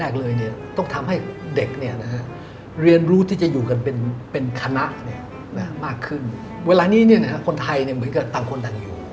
ก็ต่างคนต่างอยู่